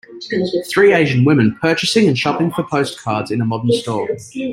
Three asian women purchasing and shopping for postcards in a modern store.